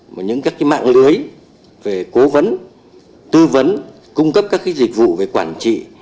mà những các cái mạng lưới về cố vấn tư vấn cung cấp các dịch vụ về quản trị